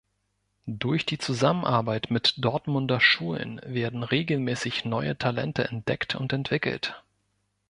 Durch die Zusammenarbeit mit Dortmunder Schulen werden regelmäßig neue Talente entdeckt und entwickelt.